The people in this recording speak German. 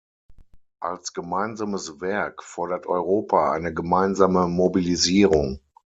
Als gemeinsames Werk fordert Europa eine gemeinsame Mobilisierung.